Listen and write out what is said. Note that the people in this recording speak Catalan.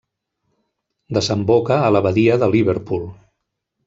Desemboca a la badia de Liverpool.